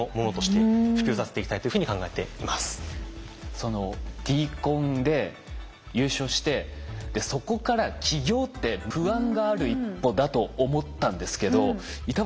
そのＤＣＯＮで優勝してそこから起業って不安がある一歩だと思ったんですけど板橋